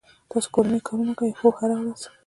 تاسو کورنی کارونه کوئ؟ هو، هره ورځ